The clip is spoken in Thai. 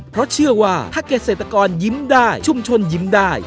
เพราะเชื่อว่าถ้าเกษตรกรยิ้มได้ชุมชนยิ้มได้